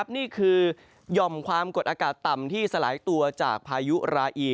นี่คือหย่อมความกดอากาศต่ำที่สลายตัวจากพายุราอี